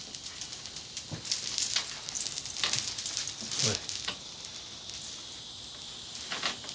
おい。